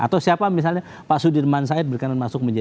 atau siapa misalnya pak sudirman said berkenan masuk menjadi